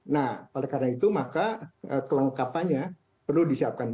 nah oleh karena itu maka kelengkapannya perlu disiapkan